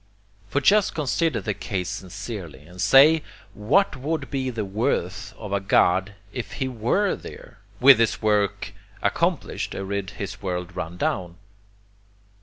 ] For just consider the case sincerely, and say what would be the WORTH of a God if he WERE there, with his work accomplished and his world run down.